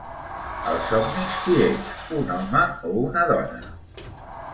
Als somnis qui ets un home o una dona?